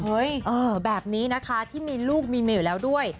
แบบนี้นะคะที่มีลูกมีเมียอยู่แล้วด้วย